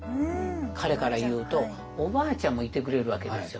彼からいうとおばあちゃんもいてくれるわけですよ。